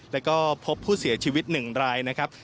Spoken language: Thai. แล้วก็พบผู้เสียชีวิต๑รายนะครับ